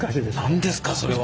何ですかそれは。